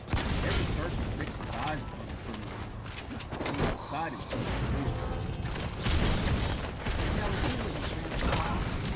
Every turkey fixed its eyes upon the trembling boy, who was beside himself with fear. "What shall we do with him, grandpapa?"